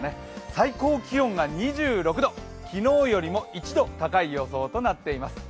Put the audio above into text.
最高気温が２６度、昨日よりも１度高い予想となっています。